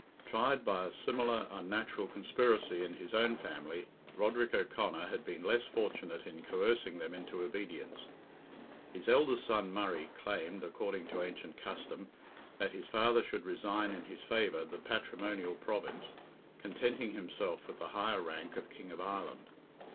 Tried by a similar unnatural conspiracy in his own family, Roderick O'Conor had been less fortunate in coercing them into obedience. His eldest son, Murray, claimed, according to ancient custom, that his father should resign in his favour the patrimonial Province, contenting himself with the higher rank of King of Ireland.